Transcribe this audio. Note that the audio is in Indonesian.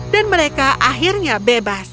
dan mereka akhirnya bebas